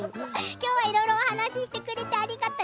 今日はいろいろ話してくれてありがとう。